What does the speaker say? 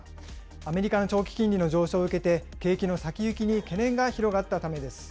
アメリカの長期金利の上昇を受けて、景気の先行きに懸念が広がったためです。